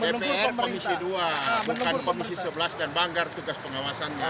dpr komisi dua bukan komisi sebelas dan banggar tugas pengawasannya